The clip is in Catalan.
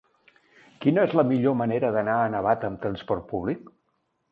Quina és la millor manera d'anar a Navata amb trasport públic?